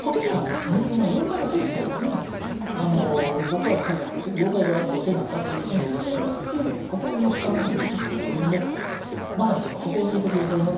僕らのせいじゃなくて妖怪のせいなんだっていうことにすることによって心の負担っていうのをちょっと取り除くことができる。